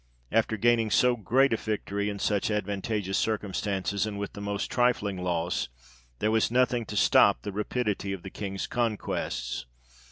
After gaining so great a victory in such advantageous circumstances, and with the most trifling loss, there was nothing to stop the rapidity of the King's conquests.